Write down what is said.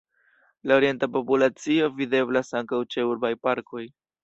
La orienta populacio videblas ankaŭ ĉe urbaj parkoj.